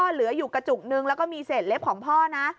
เหลืออยู่กระจุกนึงแล้วก็มีเศษเล็บของพ่อนะ